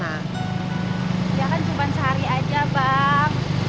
ya kan cuma sehari aja bang